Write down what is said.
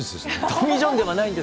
トミー・ジョンではないんで